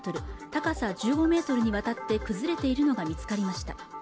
高さ１５メートルにわたって崩れているのが見つかりました